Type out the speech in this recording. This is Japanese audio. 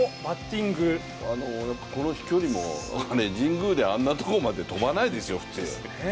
この飛距離も神宮であんなところまで飛ばないですよ、普通。